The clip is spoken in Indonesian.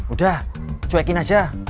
udah cuekin aja